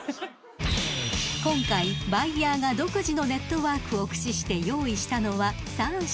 ［今回バイヤーが独自のネットワークを駆使して用意したのは３品］